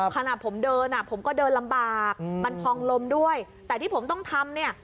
ขณะผมเดินอ่ะผมก็เดินลำบากมันพองลมด้วยแต่ที่ผมต้องทำเนี่ย